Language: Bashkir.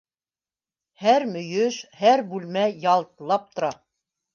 Һәр мөйөш, һәр бүлмә ялтлап тора.